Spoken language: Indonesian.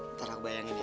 ntar aku bayangin ya